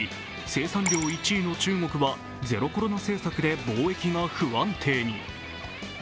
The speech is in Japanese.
生産量１位の中国はゼロコロナ政策で貿易が不安定に。